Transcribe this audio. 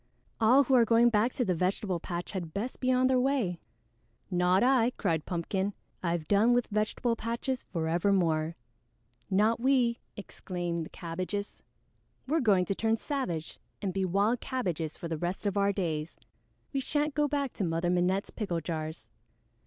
All who are going back to the vegetable patch had best be on their way." "Not I!" cried Pumpkin. "I've done with vegetable patches forevermore." "Not we," exclaimed the Cabbages. "We're going to turn savage and be wild cabbages for the rest of our days! We shan't go back to Mother Minette's pickle jars."